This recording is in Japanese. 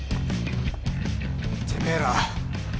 てめえら。